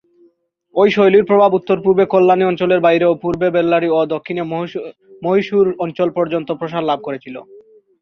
এই শৈলীর প্রভাব উত্তরপূর্বে কল্যাণী অঞ্চলের বাইরেও পূর্বে বেল্লারী ও দক্ষিণে মহীশূর অঞ্চল পর্যন্ত প্রসার লাভ করেছিল।